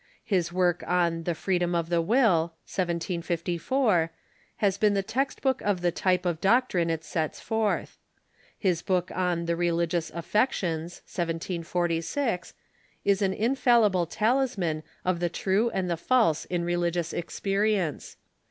His work on the " Freedom of the Will " (1754) has been the text book of the type of doctrine it sets forth. His book on the " Religious Affections " (1740) is an infallible talisman of the true and the false in religious experience.